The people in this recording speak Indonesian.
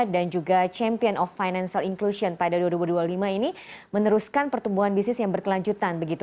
dan juga champion of financial inclusion pada dua ribu dua puluh lima ini meneruskan pertumbuhan bisnis yang berkelanjutan